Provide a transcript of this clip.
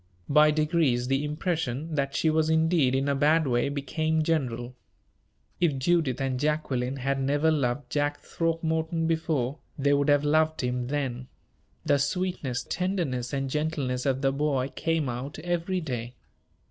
By degrees the impression that she was indeed in a bad way became general. If Judith and Jacqueline had never loved Jack Throckmorton before, they would have loved him then. The sweetness, tenderness, and gentleness of the boy came out every day.